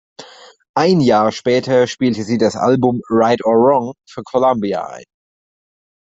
Ein Jahr später spielte sie das Album "Right or Wrong" für Columbia ein.